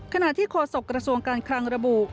ขณะที่โฆษกระทรวงการคลังระบุ